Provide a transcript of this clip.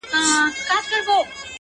نور یې نه کول د مړو توهینونه.!